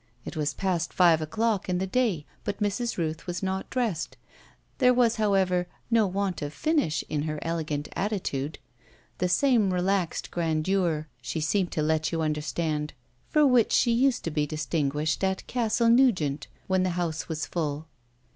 It was past five o'clock in the day, but Mrs. Rooth was not dressed; there was, however, no want of finish in her elegant attitude the same relaxed grandeur (she seemed to let you understand) for which she used to be distinguished at Castle Nugent when the house was full.